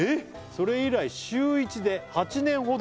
「それ以来週１で８年ほど」